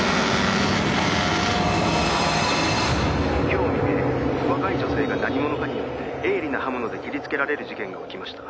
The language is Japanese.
「今日未明若い女性が何者かによって鋭利な刃物で切りつけられる事件が起きました」